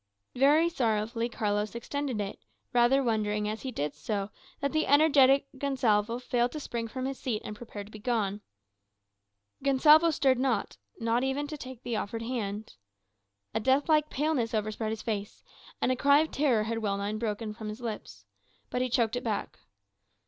Very sorrowfully Carlos extended it, rather wondering as he did so that the energetic Gonsalvo failed to spring from his seat and prepare to be gone. Gonsalvo stirred not, even to take the offered hand. A deathlike paleness overspread his face, and a cry of terror had well nigh broken from his lips. But he choked it back.